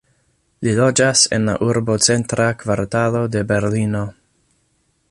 Li loĝas en la urbocentra kvartalo de Berlino.